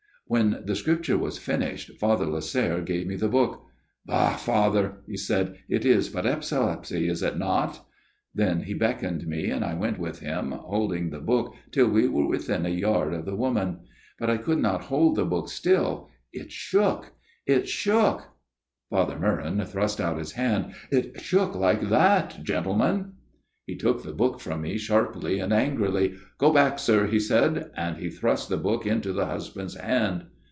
"When the Scripture was finished, Father Lasserre gave me the book. "'Bah! Father!' he said. * It is but epilepsy, is it not ?'" Then he beckoned me, and I went with him holding the book till we were within a yard of the woman. But I could not hold the book still, it shook, it shook " Father Meuron thrust out his hand " It shook like that, gentlemen. " He took the book from me, sharply and angrily. ' Go back, sir,' he said, and he thrust the book into the husband's hand.